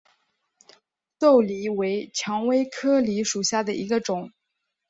豆梨为蔷薇科梨属下的一个种。